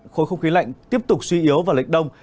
khối không khí lạnh tiếp tục suy yếu vào lệnh đông